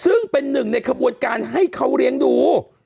ซึ่งเป็นหนึ่งในขบวนการให้เขาเลี้ยงดู